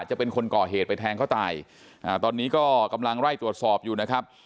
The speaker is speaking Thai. จะเป็นคนก่อเหตุไปแทงเขาตายอ่าตอนนี้ก็กำลังไล่ตรวจสอบอยู่นะครับ